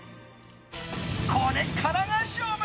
これからが勝負！